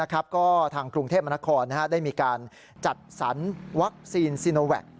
ก็ทางกรุงเทพมนครได้มีการจัดสรรวัคซีนซีโนแวค